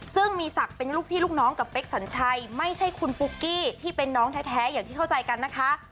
ซึ่งมีศักดิ์เป็นลูกพี่ลูกน้องกับเป๊กสัญชัยไม่ใช่คุณปุ๊กกี้ที่เป็นน้องแท้อย่างที่เข้าใจกันนะคะ